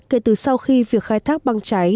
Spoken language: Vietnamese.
kể từ sau khi việc khai thác băng chảy